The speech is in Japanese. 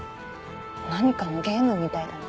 何かのゲームみたいだね。